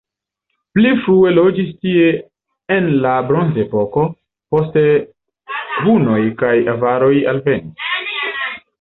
Pli frue loĝis tie en la bronzepoko, poste hunoj kaj avaroj alvenis.